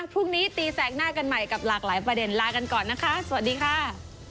พรุ่งนี้ตีแสกหน้ากันใหม่กับหลากหลายประเด็นลากันก่อนนะคะสวัสดีค่ะ